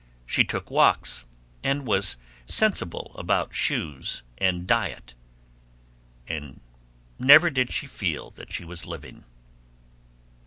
She took walks, and was sensible about shoes and diet. And never did she feel that she was living.